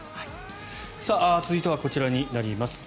続いては、こちらになります。